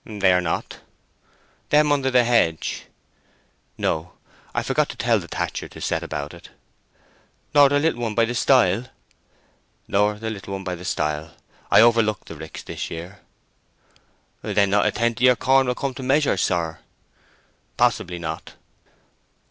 "They are not." "Them under the hedge?" "No. I forgot to tell the thatcher to set about it." "Nor the little one by the stile?" "Nor the little one by the stile. I overlooked the ricks this year." "Then not a tenth of your corn will come to measure, sir." "Possibly not."